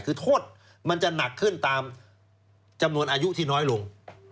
คือโทษมันจะหนักขึ้นตามจำนวนอายุที่น้อยลง